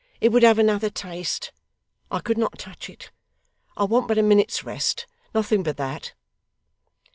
'It would have another taste I could not touch it. I want but a minute's rest. Nothing but that.